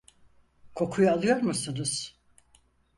Kokuyu alıyor musunuz?